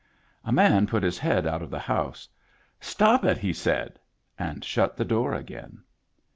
A man put his head out of the house. " Stop it," he said, and shut the door again.